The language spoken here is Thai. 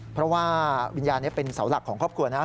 เพราะว่าวิญญาณนี้เป็นเสาหลักของครอบครัวนะครับ